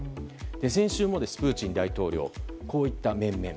先週もプーチン大統領こういった面々